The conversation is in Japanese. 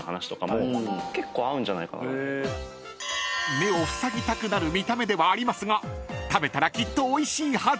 ［目をふさぎたくなる見た目ではありますが食べたらきっとおいしいはず！］